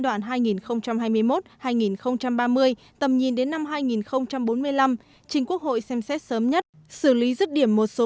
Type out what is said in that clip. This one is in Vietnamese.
đoạn hai nghìn hai mươi một hai nghìn ba mươi tầm nhìn đến năm hai nghìn bốn mươi năm trình quốc hội xem xét sớm nhất xử lý rứt điểm một số